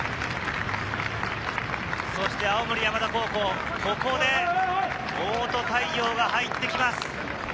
そして青森山田高校、ここで、大戸太陽が入ってきます。